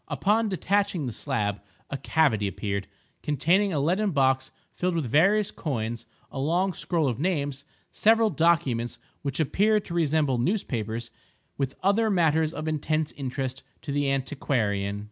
Upon detaching the slab, a cavity appeared, containing a leaden box filled with various coins, a long scroll of names, several documents which appear to resemble newspapers, with other matters of intense interest to the antiquarian!